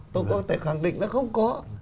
tôi có thể khẳng định là không có